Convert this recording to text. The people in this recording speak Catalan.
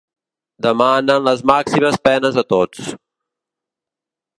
Demanen les màximes penes a tots.